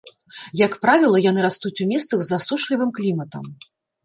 Як правіла, яны растуць у месцах з засушлівым кліматам.